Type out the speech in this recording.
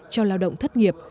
cho lao động thất nghiệp